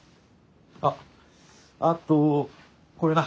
あっあとこれな。